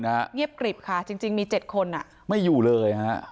เงียบกริบค่ะจริงมี๗คนอ่ะไม่อยู่เลยฮะ